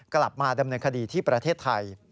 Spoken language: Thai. กลับมาดำเนินคดีที่ประเทศไทย